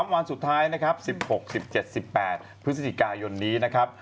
วันสุดท้ายนะครับ๑๖๑๗๑๘พฤศจิกายนนี้นะครับ